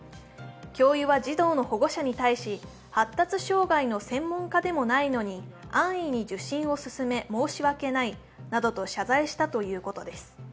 教諭は児童の保護者に対し、発達障害の専門家でもないのに安易に受診を勧め申し訳ないなどと謝罪したということです。